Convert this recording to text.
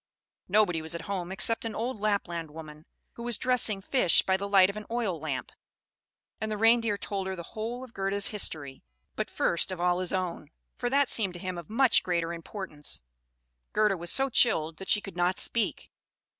Nobody was at home except an old Lapland woman, who was dressing fish by the light of an oil lamp. And the Reindeer told her the whole of Gerda's history, but first of all his own; for that seemed to him of much greater importance. Gerda was so chilled that she could not speak.